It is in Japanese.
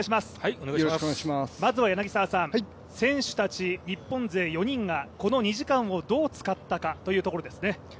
まずは選手たち、日本勢４人がこの２時間をどう使ったかというところですね。